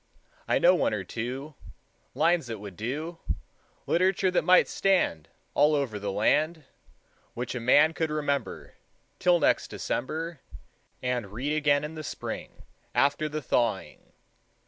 I know one or two Lines that would do, Literature that might stand All over the land, Which a man could remember Till next December, And read again in the spring, After the thawing.